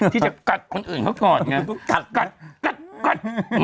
ที่จะกัดคนอื่นเขาก่อนไงกัดกัดกัดกัด